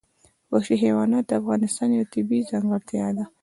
وحشي حیوانات د افغانستان یوه طبیعي ځانګړتیا ده.